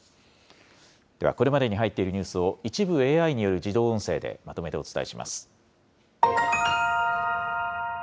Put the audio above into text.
では、これまでに入っているニュースを、一部、ＡＩによる自動音声でまとめてお伝えします。